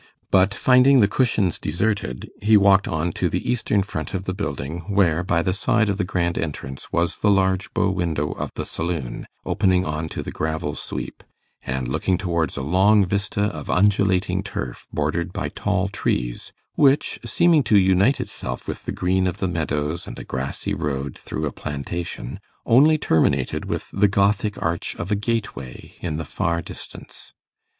But finding the cushions deserted, he walked on to the eastern front of the building, where, by the side of the grand entrance, was the large bow window of the saloon, opening on to the gravel sweep, and looking towards a long vista of undulating turf, bordered by tall trees, which, seeming to unite itself with the green of the meadows and a grassy road through a plantation, only terminated with the Gothic arch of a gateway in the far distance.